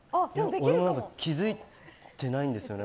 俺も気づいてないんですよね。